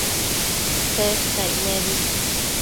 Tsescaic nebi